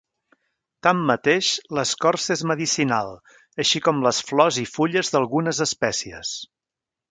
Tanmateix, l'escorça és medicinal així com les flors i fulles d'algunes espècies.